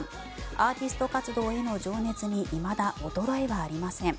アーティスト活動への情熱にいまだ衰えはありません。